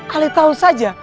ale tau saja